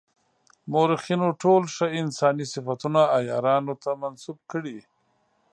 مورخینو ټول ښه انساني صفتونه عیارانو ته منسوب کړي.